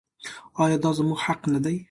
آیا دا زموږ حق نه دی؟